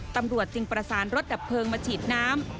ตำรวจจึงประสานรถดับเพลิงมาฉีดน้ำ